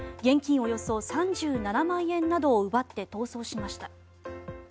およそ３７万円などを奪って逃走しました。